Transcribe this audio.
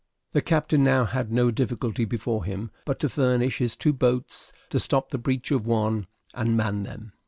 The captain now had no difficulty before him, but to furnish his two boats, stop the breach of one, and man them.